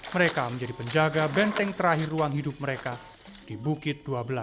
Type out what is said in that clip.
mereka menjadi penjaga benteng terakhir ruang hidup mereka di bukit dua belas